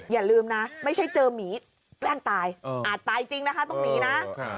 อย่าลืมนะไม่ใช่เจอหมีแกล้งตายอาจตายจริงนะคะต้องหมีนะ